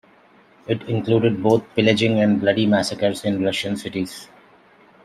It included both pillaging and bloody massacres in Russian cities.